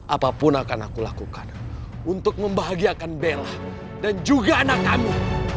apapun akan aku lakukan untuk membahagiakan bella dan juga anak kami